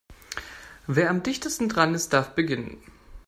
Wer am dichtesten dran ist, darf beginnen.